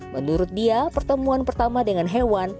menurut dia pertemuan pertama dengan hewan